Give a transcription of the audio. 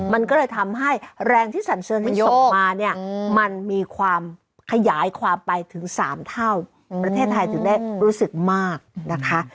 มันก็เลยทำให้แรงที่สัญเชิญมันส่งมาเนี่ยมันมีความขยายความไปถึง๓เท่าประเทศไทยถึงได้รู้สึกมากนะคะ